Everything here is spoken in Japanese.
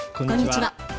こんにちは。